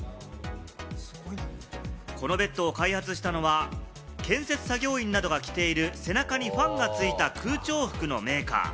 このベッドを開発したのは、建設作業員などが着ている背中にファンが付いた空調服のメーカー。